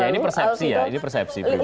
ya ini persepsi ya ini persepsi